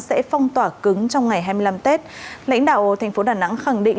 sẽ phong tỏa cứng trong ngày hai mươi năm tết lãnh đạo thành phố đà nẵng khẳng định